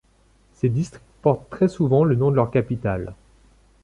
Ces districts portent très souvent le nom de leurs capitales.